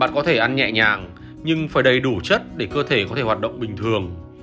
bạn có thể ăn nhẹ nhàng nhưng phải đầy đủ chất để cơ thể có thể hoạt động bình thường